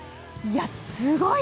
すごい！